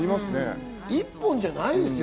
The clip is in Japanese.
１本じゃないですよ。